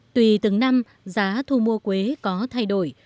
tùy từng năm giá thu mua quế có thay đổi